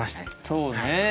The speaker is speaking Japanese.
そうね。